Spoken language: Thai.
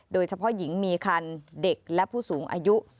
โดยเฉพาะหญิงมีคันเด็กและผู้สูงอายุ